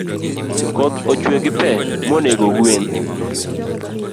Koth ochue gi pe monego gwen